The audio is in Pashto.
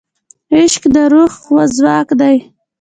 عشق د روح ځواک دی.